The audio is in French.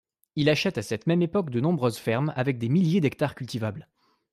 Il achète à cette même époque de nombreuses fermes avec des milliers d'hectares cultivables.